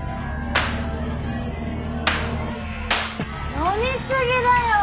飲みすぎだよ！